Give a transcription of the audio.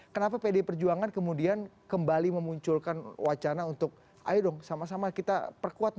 kenapa pdi perjuangan kemudian kembali memunculkan wacana untuk ayo dong sama sama kita perkuat